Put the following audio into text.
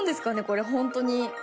これ本当に。